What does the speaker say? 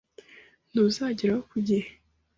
Ntuzagerayo ku gihe.